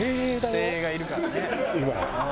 精鋭がいるからね。